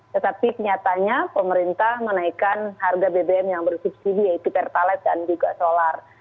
tetapi nyatanya pemerintah menaikkan harga bbm yang bersubsidi yaitu pertalat dan juga solar